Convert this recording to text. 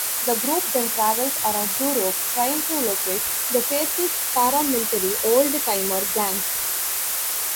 The group then travels around Europe trying to locate the fascist paramilitary old-timer gang.